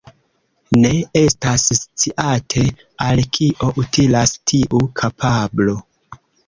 Ne estas sciate, al kio utilas tiu kapablo.